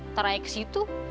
ntar ayo ke situ